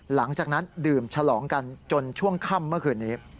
หลังจากนั้นดื่มฉลองกันจนช่วงค่ำเมื่อคืนนี้